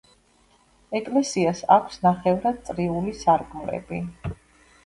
ეკლესიას აქვს ნახევრაწრიული სარკმლები.